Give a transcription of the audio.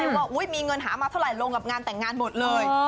ว่ามีเงินหามาเท่าไหร่ลงกับงานแต่งงานหมดเลย